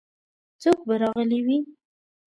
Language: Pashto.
څوک به راغلي وي؟